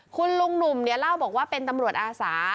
คุณลุงหนุ่มเนี่ยเล่าบอกว่าเป็นตำรวจอาสา